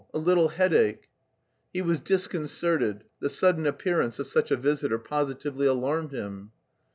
a little headache..." He was disconcerted; the sudden appearance of such a visitor positively alarmed him.